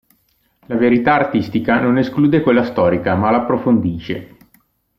La verità artistica non esclude quella storica, ma l'approfondisce.